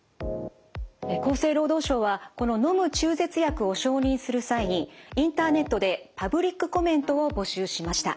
厚生労働省はこの「のむ中絶薬」を承認する際にインターネットでパブリックコメントを募集しました。